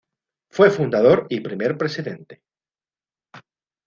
Fue fundador y primer Pte.